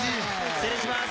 失礼します。